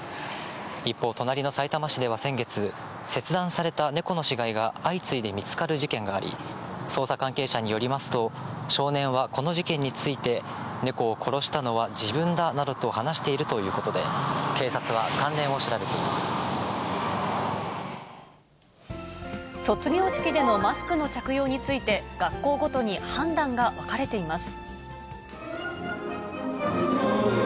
一方、隣のさいたま市では先月、切断された猫の死骸が相次いで見つかる事件があり、捜査関係者によりますと、少年はこの事件について、猫を殺したのは自分だなどと話しているということで、警察は関連卒業式でのマスクの着用について、学校ごとに判断が分かれています。